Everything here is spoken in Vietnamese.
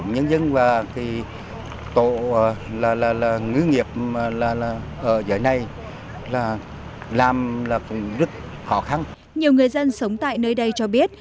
nhiều người dân sống tại nơi đây cho biết